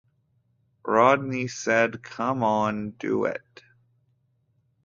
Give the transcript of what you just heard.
Rodney said, Come on, do it.